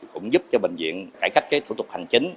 cũng giúp cho bệnh viện cải cách thủ tục hành chính